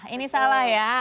ini salah ya